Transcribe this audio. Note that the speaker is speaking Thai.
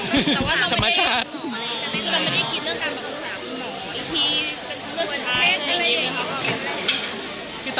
คือเราไม่มีธรรมชาติใช่ปะ